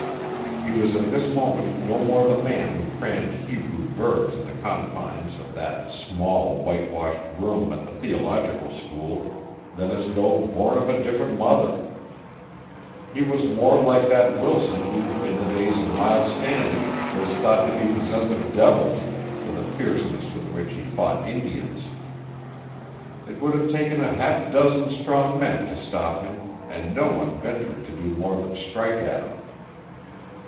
He was at this moment no more the man who crammed Hebrew verbs in the confines of that small, whitewashed room at the theological school than as though born of a different mother. He was more like that Wilson who in the days of Miles Standish was thought to be possessed of devils for the fierceness with which he fought Indians. It would have taken a half dozen strong men to stop him, and no one ventured to do more than strike at him.